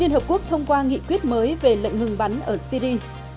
liên hợp quốc thông qua nghị quyết mới về lệnh ngừng bắn ở syri